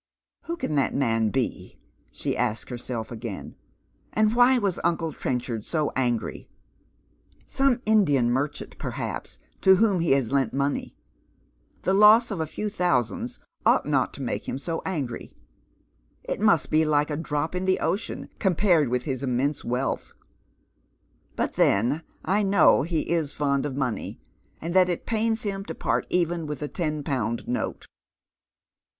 " Who can that man be?" she asks herself again, "and why was uncle Trenchard so angry ? Some Indian merchant, perhapa, A Mystprioua Visiior. 105 to wliom he lias lont money. Tlie loss of a few tliouaands ought not to make him so angry. It must be a like a drop in the ocean compared with his iinniunse wealth. But then I know he is fond of money, and that it pains liim to part even with a ten pound note."